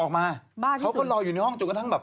เขาก็รออยู่ในห้องจุงกระทั่งแบบ